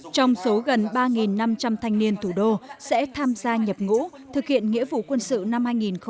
trong số gần ba năm trăm linh thanh niên thủ đô sẽ tham gia nhập ngũ thực hiện nghĩa vụ quân sự năm hai nghìn hai mươi